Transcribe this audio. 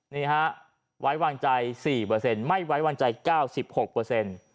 นี่ฮะไว้วางใจสี่เปอร์เซ็นต์ไม่ไว้วางใจเก้าสิบหกเปอร์เซ็นต์